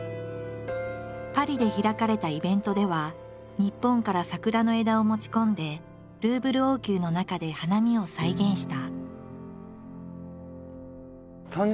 パリで開かれたイベントでは日本から桜の枝を持ち込んでルーブル王宮の中で花見を再現した。